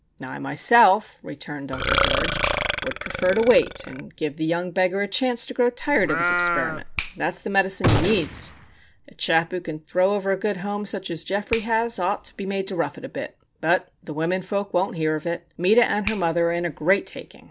"I, myself," returned Uncle George, "would prefer to wait and give the young beggar a chance to grow tired of his experiment. That's the medicine he needs. A chap who can throw over a good home such as Geoffrey has, ought to be made to rough it a bit. But the women folk won't hear of it. Meta and her mother are in a great taking.